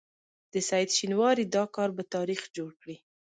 د سعید شینواري دا کار به تاریخ جوړ کړي.